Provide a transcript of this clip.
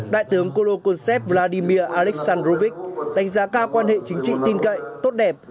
đại tướng kolokosev vladimir aleksandrovich đánh giá cao quan hệ chính trị tin cậy tốt đẹp